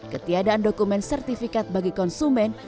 ketiadaan dokumen sertifikat bagi konsumen